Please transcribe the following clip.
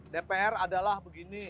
dpr adalah begini